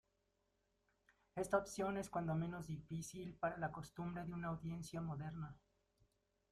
Esta opción es cuando menos difícil para la costumbre de una audiencia moderna.